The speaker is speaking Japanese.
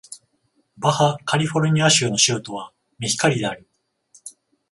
バハ・カリフォルニア州の州都はメヒカリである